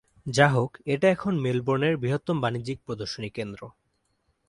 যাহোক, এটা এখন মেলবোর্ন এর বৃহত্তম বাণিজ্যিক প্রদর্শনী কেন্দ্র।